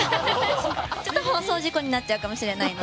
ちょっと放送事故になっちゃうかもしれないので。